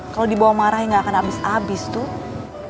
kalo dibawa marah yang gak akan abis abis tuh